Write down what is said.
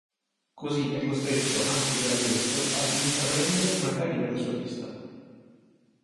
Così è costretto anche De la Ghetto ad intraprendere una carriera da solista.